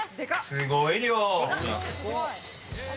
すごい量。